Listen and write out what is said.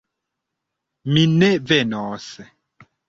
Mi ne venos.